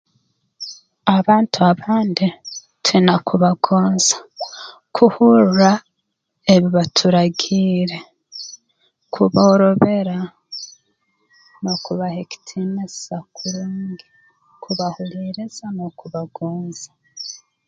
Abantu abandi twina kubagonza kuhurra ebi baturagiire kuboorobera n'okubaha ekitiinisa kurungi kubahuliiriza n'okubagonza